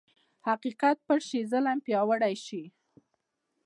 حقیقت پټ شي، ظلم پیاوړی شي.